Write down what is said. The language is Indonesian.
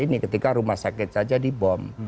ini ketika rumah sakit saja dibom